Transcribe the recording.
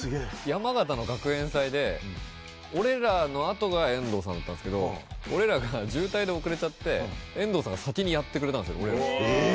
山形の学園祭で俺らの後が遠藤さんだったんですけど俺らが渋滞で遅れちゃって遠藤さんが先にやってくれたんですよ。